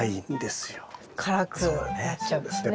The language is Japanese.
辛くなっちゃうんですね。